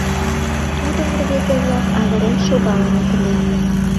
Тудым рвезе-влак авырен шогалыныт ыле.